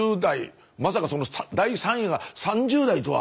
まさか第３位が３０代とは。